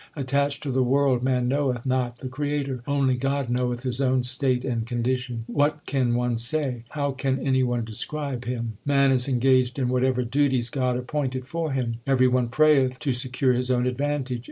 Attached to the world man knoweth not the Creator : Only God knoweth His own state and condition. What can one say ? How can any one describe Him ? Man is engaged in whatever duties God appointed for him. Every one prayeth to secure his own advantage.